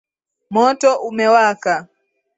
Moto umewaka.